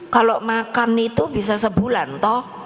kalau makan itu bisa sebulan toh